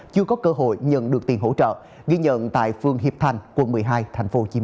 chưa có cơ hội nhận được tiền hỗ trợ ghi nhận tại phường hiệp thành quận một mươi hai tp hcm